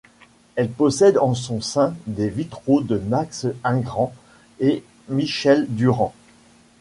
Elle possède en son sein des vitraux de Max Ingrand et Michel Durand.